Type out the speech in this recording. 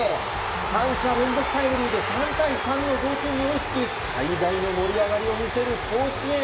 ３者連続タイムリーで３対３の同点に追いつき最大の盛り上がりを見せる甲子園。